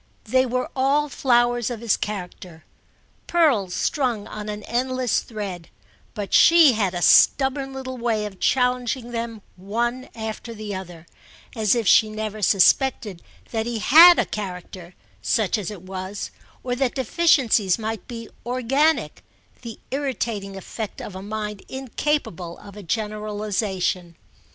They were all flowers of his character, pearls strung on an endless thread; but she had a stubborn little way of challenging them one after the other, as if she never suspected that he had a character, such as it was, or that deficiencies might be organic; the irritating effect of a mind incapable of a generalisation.